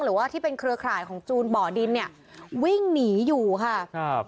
หรือว่าที่เป็นเครือข่ายของจูนบ่อดินเนี่ยวิ่งหนีอยู่ค่ะครับ